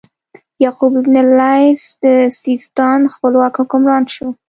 یعقوب بن اللیث د سیستان خپلواک حکمران شو.